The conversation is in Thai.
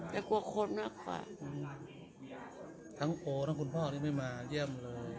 แต่กลัวโคตรมากกว่าทั้งโอทั้งคุณพ่อที่ไม่มาเยี่ยมเลย